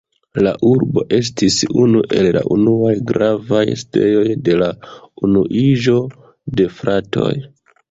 La urbo estis unu el la unuaj gravaj sidejoj de la Unuiĝo de fratoj.